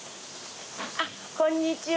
あっこんにちは。